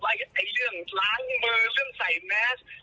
อะไรอย่างล้างมือเครื่องใสมัช